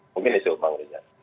mungkin itu bang reza